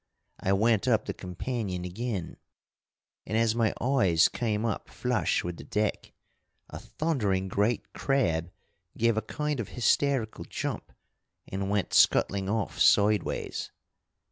I went up the companion again, and as my eyes came up flush with the deck, a thundering great crab gave a kind of hysterical jump and went scuttling off sideways.